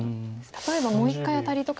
例えばもう一回アタリとかしてみると。